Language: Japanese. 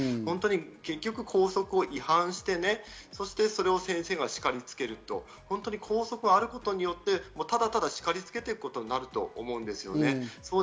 結局、校則違反して、それを先生が叱りつけると、校則があることによってただただ叱りつけていくことになると思うんですよね。